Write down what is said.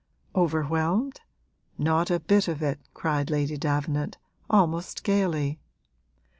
'Overwhelmed? Not a bit of it!' cried Lady Davenant, almost gaily.